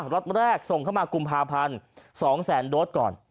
ล็อตแรกส่งเข้ามากุมภาพันธ์๒แสนโดสก่อน